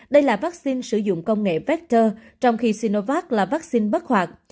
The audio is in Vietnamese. đây là vaccine sử dụng công nghệ vector trong khi sinovac là vaccine bất hoạt